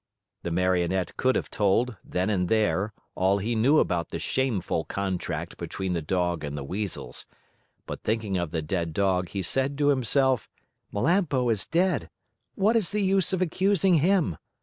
The Marionette could have told, then and there, all he knew about the shameful contract between the dog and the Weasels, but thinking of the dead dog, he said to himself: "Melampo is dead. What is the use of accusing him?